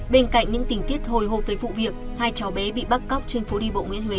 bên cạnh những tình tiết hồi hộp tới vụ việc hai cháu bé bị bắt cóc trên phố đi bộ nguyễn huệ